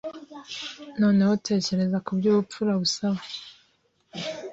Noneho tekereza kubyo ubupfura busaba